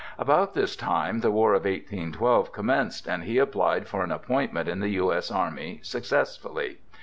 About this time the war of 1812 commenced, and he applied for an appointment in the U.S. Army, successfully.